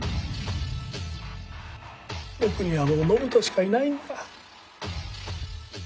僕にはもう延人しかいないんだ。